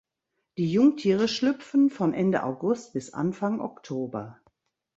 Die Jungtiere schlüpfen von Ende August bis Anfang Oktober.